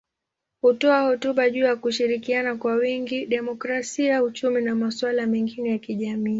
Hutoa hotuba juu ya kushirikiana kwa wingi, demokrasia, uchumi na masuala mengine ya kijamii.